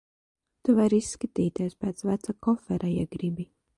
Tu vari izskatīties pēc veca kofera, ja gribi.